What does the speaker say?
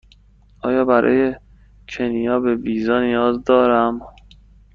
آیا برای کنیا به ویزا نیاز دارم؟